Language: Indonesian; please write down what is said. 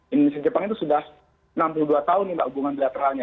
indonesia jepang itu sudah enam puluh dua tahun nih mbak hubungan bilateralnya